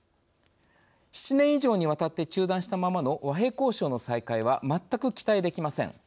７年以上にわたって中断したままの和平交渉の再開は全く期待できません。